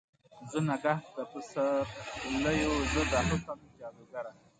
زه نګهت د پسر لیو، زه د حسن جادوګره